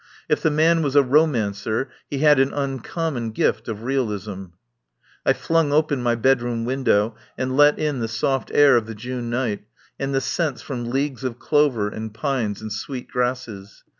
If the man was a romancer he had an uncommon gift of realism. I flung open my bedroom window and let in the soft air of the June night and the scents from leagues of clover and pines and sweet grasses.